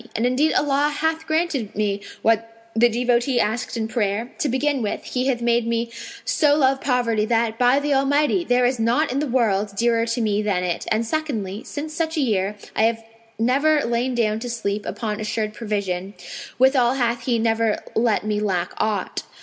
And indeed Allah hath granted me what the devotee asked in prayer: to begin with He hath made me so love poverty that, by the Almighty! there is naught in the world dearer to me than it, and secondly since such a year, I have never lain down to sleep upon assured provision; withal hath He never let me lack aught.